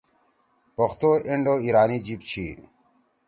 پختو انڈو ایرانی جیِب چھی۔